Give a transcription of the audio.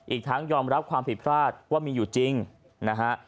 อีกทั้งยอมรับความผิดพลาดว่ามีอยู่จริงนะฮะ